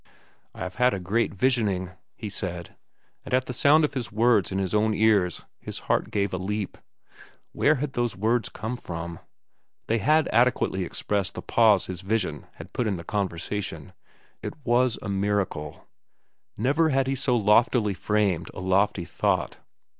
"I have had a great visioning," he said, and at the sound of his words in his own ears his heart gave a leap. Where had those words come from? They had adequately expressed the pause his vision had put in the conversation. It was a miracle. Never had he so loftily framed a lofty thought.